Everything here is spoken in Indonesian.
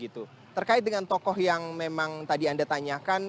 terkait dengan tokoh yang memang tadi anda tanyakan